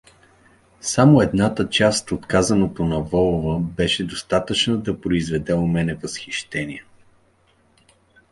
Само едната част от казаното от Волова беше достатъчна да произведе у мене възхищение.